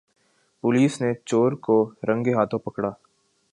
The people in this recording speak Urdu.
پولیس نے چور کو رنگے ہاتھوں پکڑا